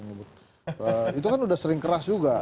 itu kan udah sering keras juga